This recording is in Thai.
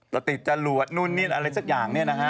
ติดจรวดนู่นนี่อะไรสักอย่างเนี่ยนะฮะ